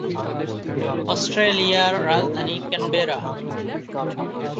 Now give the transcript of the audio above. অস্ট্রেলিয়ার রাজধানী ক্যানবেরা।